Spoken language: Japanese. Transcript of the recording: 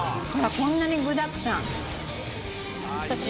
こんなに具だくさん。